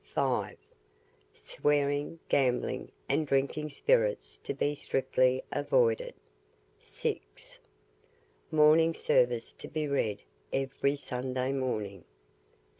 5. Swearing, gambling, and drinking spirits to be strictly avoided. 6. Morning service to be read every Sunday morning.